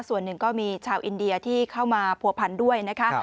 ส่วนหนึ่งก็มีชาวอินเดียที่เข้ามาผัวพันด้วยนะคะ